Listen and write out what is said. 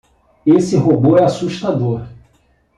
Esse robô é assustador!